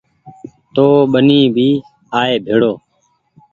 تو ٻني بي آئي ڀيڙو ڇي